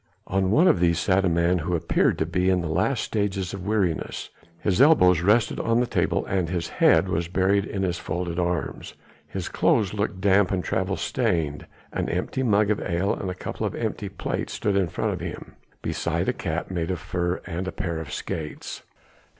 On one of these sat a man who appeared to be in the last stages of weariness. His elbows rested on the table and his head was buried in his folded arms. His clothes looked damp and travel stained; an empty mug of ale and a couple of empty plates stood in front of him, beside a cap made of fur and a pair of skates.